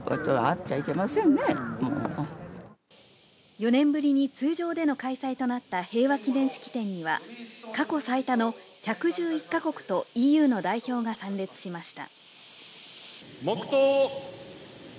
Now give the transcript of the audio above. ４年ぶりの通常での開催となった平和記念式典には、過去最多の１１１か国と、ＥＵの代表が参列しました。